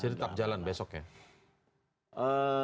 jadi tak jalan besok ya